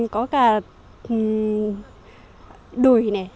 có cả đuổi này